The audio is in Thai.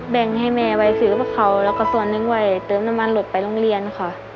แบ่งให้แม่ไว้ซื้อพวกเขาแล้วก็ส่วนหนึ่งไว้เติมน้ำมันหลบไปโรงเรียนค่ะ